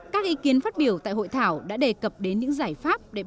các ý kiến phát biểu tại hội thảo đã đề cập đến những giải pháp để